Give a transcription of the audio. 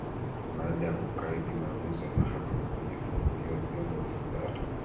baada ya kukaidi maamuzi ya mahakama ya kuvifungulia vyombo vya habari